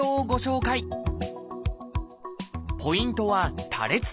ポイントは「多裂筋」。